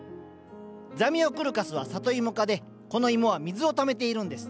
ザミオクルカスはサトイモ科でこのイモは水をためているんです。